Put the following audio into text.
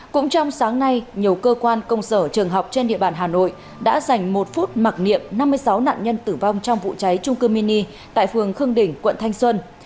cũng trong sáng nay nhiều cơ quan công sở trường học trên địa bàn hà nội đã dành một phút mặc niệm năm mươi sáu nạn nhân tử vong trong vụ cháy trung cư mini tại phường khương đình quận thanh xuân